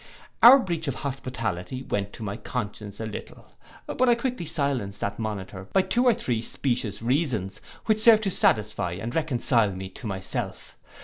Our breach of hospitality went to my conscience a little: but I quickly silenced that monitor by two or three specious reasons, which served to satisfy and reconcile me to myself.